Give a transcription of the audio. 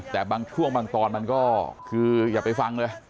แต่บางช่วงบางตอนมันก็คืออย่าไปฟังเลย